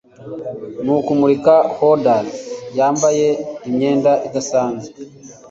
nukumurika hordes yambaye imyenda idasanzwe